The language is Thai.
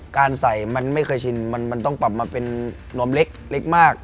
การใส่มันไม่เคยชินมันต้องปรับมาเป็นนวมเล็กมาก